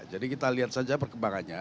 jadi kita lihat saja perkembangannya